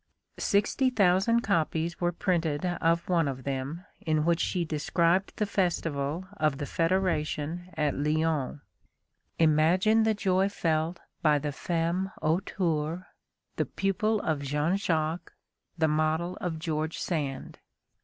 Sixty thousand copies were printed of one of them in which she described the festival of the Federation at Lyons. Imagine the joy felt by the femme auteur, the pupil of Jean Jacques, the model of George Sand!